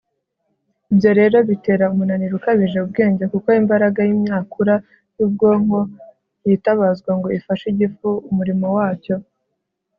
ibyo rero bitera umunaniro ukabije ubwenge, kuko imbaraga y'imyakura y'ubwonko yitabazwa ngo ifashe igifu umurimo wacyo